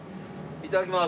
いただきます！